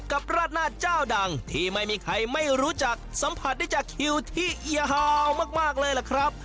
ราดหน้าเจ้าดังที่ไม่มีใครไม่รู้จักสัมผัสได้จากคิวที่ยาวมากเลยล่ะครับ